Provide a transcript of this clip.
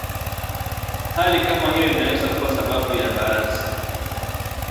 Hali kama hiyo inaweza kuwa sababu ya baadhi